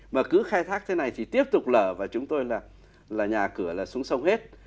mà cứ khai thác thế này thì tiếp tục lở và chúng tôi là nhà cửa là xuống sông hết